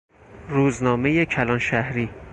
روزنامهی کلانشهری